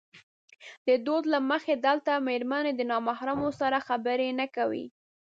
د دود له مخې دلته مېرمنې د نامحرمو سره خبرې نه کوي.